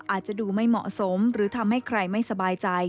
อาจจะดูไม่เหมาะสมหรือทำให้ใครไม่สบายใจ